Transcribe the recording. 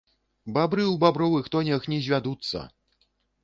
Бабры ў бабровых тонях не звядуцца!